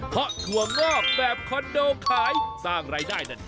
เพาะถั่วงอกแบบคอนโดขายสร้างรายได้นั่นเองครับ